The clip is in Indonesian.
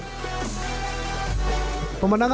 pengelolaan alat ini memiliki alat yang cukup terhias dan berbahaya